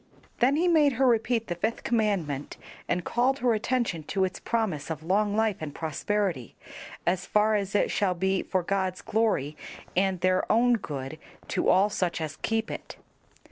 Then he made her repeat the fifth commandment, and called her attention to its promise of long life and prosperity, as far as it shall be for God's glory and their own good, to all such as keep it.